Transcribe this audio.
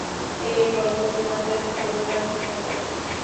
এ গল্প তোমাদের ভালো লাগিল না?